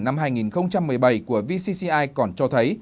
năm hai nghìn một mươi bảy của vcci còn cho thấy